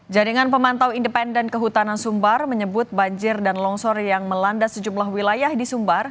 jaringan pemantau independen kehutanan sumbar menyebut banjir dan longsor yang melanda sejumlah wilayah di sumbar